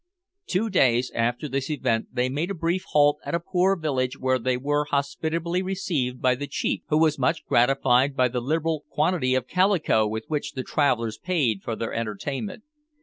Two days after this event they made a brief halt at a poor village where they were hospitably received by the chief, who was much gratified by the liberal quantity of calico with which the travellers paid for their entertainment.